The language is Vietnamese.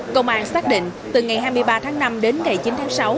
công an xác định từ ngày hai mươi ba tháng năm đến ngày chín tháng sáu